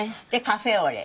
カフェオレ。